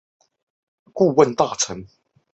他曾任袁世凯内阁弼德院顾问大臣。